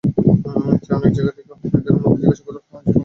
তাই অনেক জায়গায় থেমে, অনেকের কাছে জিজ্ঞাসা করে হাজির হলাম সেই মসজিদে।